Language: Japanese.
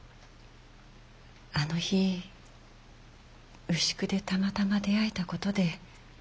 あの日牛久でたまたま出会えたことで今があります。